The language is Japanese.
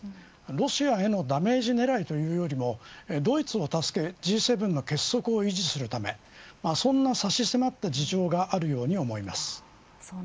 ロシアへのダメージ狙いというよりもドイツを助けＧ７の結束を維持するためそんな差し迫った事情があるように思います。